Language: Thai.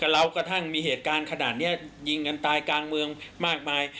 เรากระทั่งมีเหตุการณ์ขนาดนี้ยิงกันตายกลางเมืองมากมาย